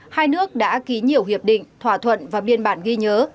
hai nước đã ký nhiều hiệp định thỏa thuận và biên bản ghi nhớ